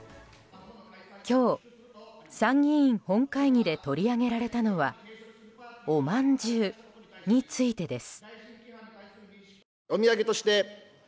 今日、参議院本会議で取り上げられたのはおまんじゅうについてです。